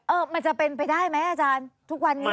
มันจะเป็นไปได้ไหมอาจารย์ทุกวันนี้